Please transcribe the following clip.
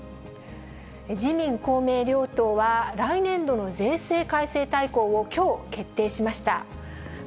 自民、公明両党は、来年度の税制改正大綱をきょう決定しました。